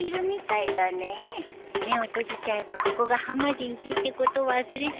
目を閉じちゃえばここがはまじんちってこと忘れちゃうよ。